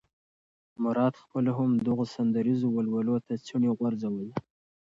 مراد خپله هم دغو سندریزو ولولو ته څڼې غورځولې.